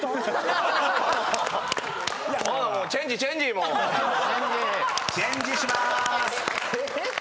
［チェンジしまーす！］